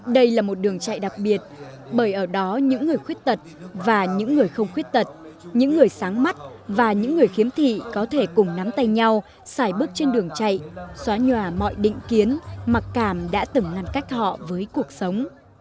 đây là một đường chạy đặc biệt bởi ở đó những người khuyết tật và những người không khuyết tật những người sáng mắt và những người khiếm thị có thể cùng nắm tay nhau xài bước trên đường chạy xóa nhòa mọi định kiến mặc cảm